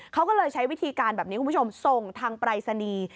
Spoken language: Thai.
เขาก็เลยใช้วิธีการแบบนี้คุณผู้ชมส่งทางปรายศนีย์